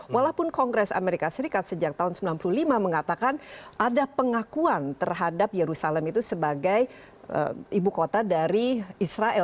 walaupun kongres amerika serikat sejak tahun seribu sembilan ratus sembilan puluh lima mengatakan ada pengakuan terhadap yerusalem itu sebagai ibu kota dari israel